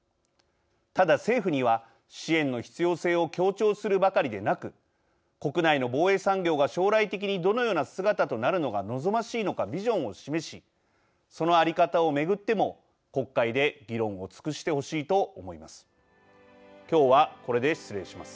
ただ政府には、支援の必要性を強調するばかりでなく国内の防衛産業が将来的にどのような姿となるのが望ましいのかビジョンを示しその在り方を巡っても国会で議論を尽くしてほしいと思います。